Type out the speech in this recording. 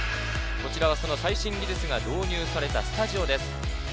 こちらは最新技術が導入されたスタジオです。